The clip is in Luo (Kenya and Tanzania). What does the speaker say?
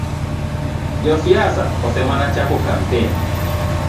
Josiasa osemana chako kampen